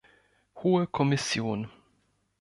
Hohe Kommission!